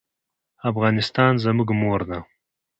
افغانستان زموږ مور ده